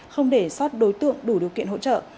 không để sót đối tượng đủ điều kiện hỗ trợ